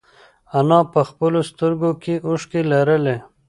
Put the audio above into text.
انا په خپلو سترگو کې اوښکې لرلې.